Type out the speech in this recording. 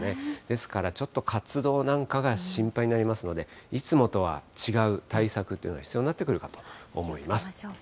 ですから、ちょっと活動なんかが心配になりますので、いつもとは違う対策っていうのが必要になってくるかと思います。